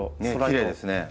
きれいですね。